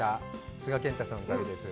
須賀健太さんの旅です。